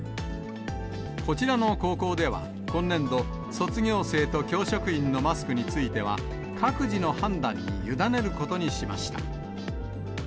こちらの高校では、今年度、卒業生と教職員のマスクについては、各自の判断に委ねることにしました。